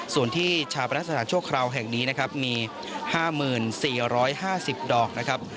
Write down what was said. ส่วนที่ชาวประนักสถานชั่วคราวแห่งนี้นะครับมี๕๔๕๐ดอกนะครับ